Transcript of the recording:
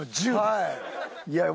はい。